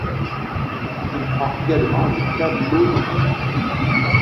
Il prend également le tableau de parcours.